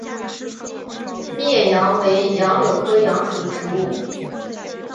密叶杨为杨柳科杨属的植物。